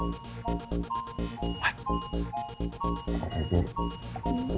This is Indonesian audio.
gimana bukaannya nih prince